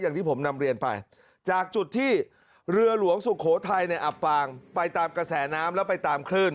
อย่างที่ผมนำเรียนไปจากจุดที่เรือหลวงสุโขทัยเนี่ยอับปางไปตามกระแสน้ำแล้วไปตามคลื่น